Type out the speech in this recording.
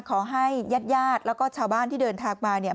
ขอให้ญาติญาติแล้วก็ชาวบ้านที่เดินทางมาเนี่ย